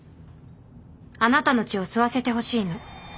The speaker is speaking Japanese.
あなたの血を吸わせてほしいの。